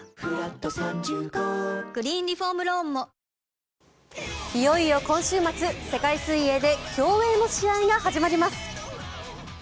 わかるぞいよいよ今週末世界水泳で競泳の試合が始まります。